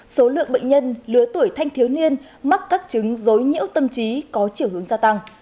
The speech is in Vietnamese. số lượng bệnh nhân lứa tuổi thanh thiếu niên mắc các chứng dối nhiễu tâm trí có chiều hướng gia tăng